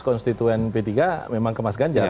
konstituen p tiga memang ke mas ganjar